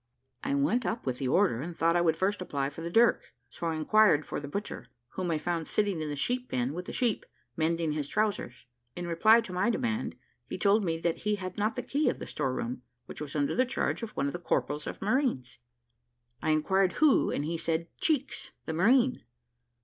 I went up with the order, and thought I would first apply for the dirk; so I inquired for the butcher, whom I found sitting in the sheep pen with the sheep, mending his trowsers. In reply to my demand, he told me that he had not the key of the store room, which was under the charge of one of the corporals of marines. I inquired who, and he said, "Cheeks, the marine."